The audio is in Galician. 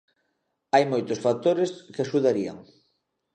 Hai moitos factores que axudarían.